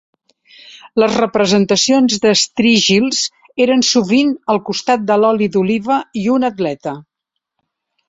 Les representacions d'estrígils eren sovint al costat de l'oli d'oliva i un atleta.